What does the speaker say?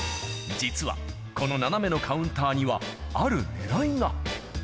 実は、この斜めのカウンターには、あるねらいが。